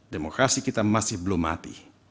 demokrasi kita masih belum mati